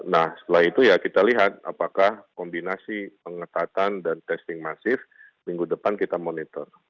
nah setelah itu ya kita lihat apakah kombinasi pengetatan dan testing masif minggu depan kita monitor